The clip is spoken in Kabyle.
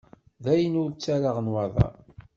Dayen, ur ttarraɣ nnwaḍer.